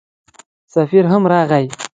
سفیر هم راغی.